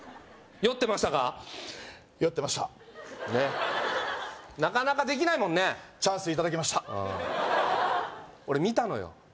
酔ってましたねっなかなかできないもんねチャンスいただきました俺見たのよ